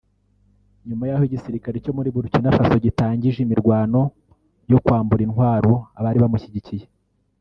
nyuma y’aho igisirikare cyo muri Burkina Faso gitangije imirwano yo kwambura intwaro abari bamushyigikiye